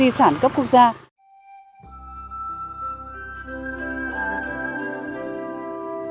huyện xín mần tỉnh hà giang